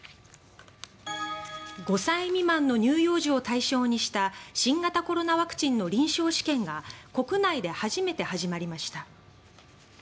５歳未満の乳幼児を対象にした新型コロナの臨床試験が国内で初めて始まりました。